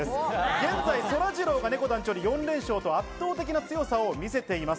現在、そらジローがねこ団長に４連勝と圧倒的な強さを見せています。